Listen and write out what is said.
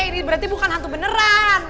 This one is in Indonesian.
ini berarti bukan hantu beneran